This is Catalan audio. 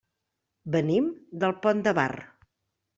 Venim del Pont de Bar.